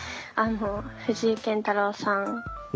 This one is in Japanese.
藤井健太郎さん